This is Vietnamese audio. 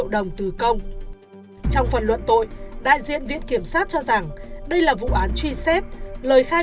đồng từ công trong phần luận tội đại diện viện kiểm sát cho rằng đây là vụ án truy xét lời khai